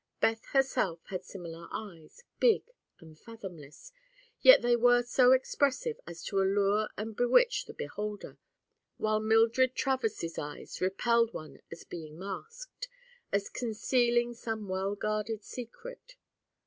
Beth herself had similar eyes—big and fathomless—yet they were so expressive as to allure and bewitch the beholder, while Mildred Travers' eyes repelled one as being masked—as concealing some well guarded secret.